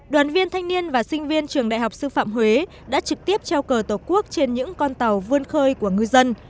đoàn viên thanh niên và sinh viên trường đại học sư phạm huế đã trực tiếp trao cờ tổ quốc trên những con tàu vươn khơi của ngư dân